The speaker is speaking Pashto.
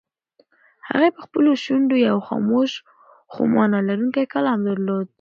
هغې په خپلو شونډو یو خاموش خو مانا لرونکی کلام درلود.